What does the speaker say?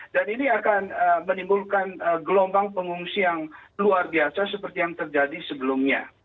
dan ini akan menimbulkan gelombang pengungsi yang luar biasa seperti yang terjadi sebelumnya